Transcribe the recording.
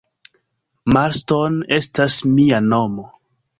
Marston estas mia nomo.